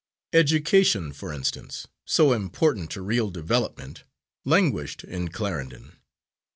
Education, for instance, so important to real development, languished in Clarendon.